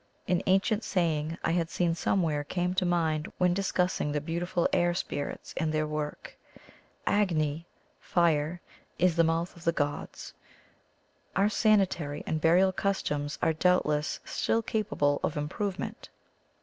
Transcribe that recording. An ancient saying I had seen somewhere came to mind when discussing the beautiful air spirits and their work :* Agni (Fire) is the mouth of the gods !' Our sanitary and burial customs are doubtless still capable of improvement